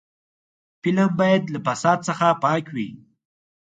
فلم باید له فساد څخه پاک وي